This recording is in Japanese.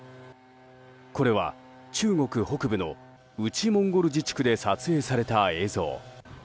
これは中国北部の内モンゴル自治区で撮影された映像。